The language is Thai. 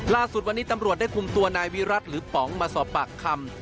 ล่าสุดวันนี้ตำรวจได้คุมตัวนายวิรัติหรือป๋องมาสอบปากคำ